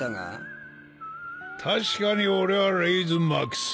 確かに俺はレイズ・マックス。